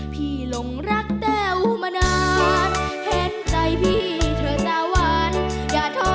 พี่หลงรักฝนมานานเห็นใจพี่เถอะตาวันอย่าทรมานด้วยการใช้เมื่อย